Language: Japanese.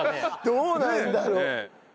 どうなんだろう？